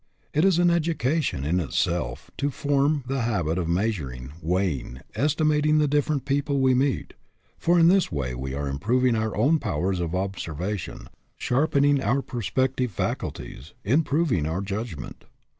It is an education in itself to form the habit of measuring, weighing, estimating the different people we meet, for in this way we are improving our own powers of observation, sharpening our perspective faculties, improv ing our judgment.